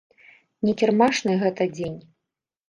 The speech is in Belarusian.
Не кірмашны гэты дзень.